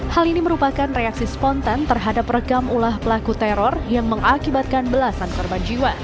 hal ini merupakan reaksi spontan terhadap rekam ulah pelaku teror yang mengakibatkan belasan korban jiwa